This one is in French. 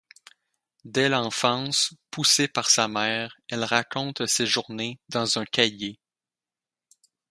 Dès l'enfance, poussée par sa mère, elle raconte ses journées dans un cahier.